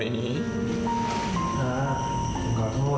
เดี๋ยวเราจะกลับบ้านด้วยกัน